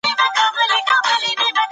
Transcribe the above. کمپيوټر پوهنه د هرې ادارې لپاره حیاتي ده.